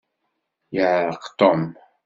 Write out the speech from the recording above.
Yeɛṛeq Tom.